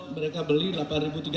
mereka beli rp delapan tiga ratus